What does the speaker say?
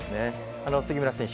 杉村選手